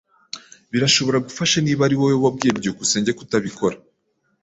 Birashobora gufasha niba ari wowe wabwiye byukusenge kutabikora.